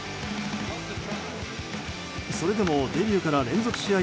それでもデビューから連続試合